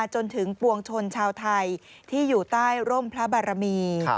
จนถึงปวงชนชาวไทยที่อยู่ใต้ร่มพระบารมี